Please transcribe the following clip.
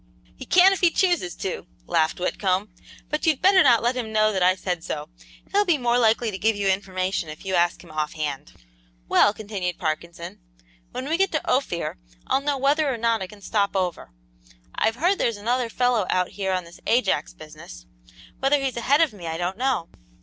"He can if he chooses to," laughed Whitcomb, "but you'd better not let him know that I said so. He'll be more likely to give you information if you ask him offhand." "Well," continued Parkinson, "when we get to Ophir, I'll know whether or not I can stop over. I've heard there's another fellow out here on this Ajax business; whether he's ahead of me I don't know.